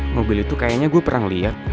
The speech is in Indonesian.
mobil itu kayaknya gue pernah liat